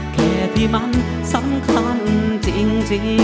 แค่ที่มันสำคัญจริง